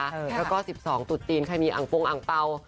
แล้วก็๑๒ตุ๊ดจีนใครมีอังปวงอังเป้า